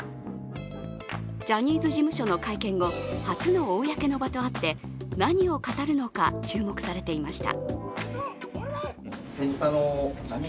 ジャニーズ事務所の会見後、初の公の場とあって何を語るのか、注目されていました。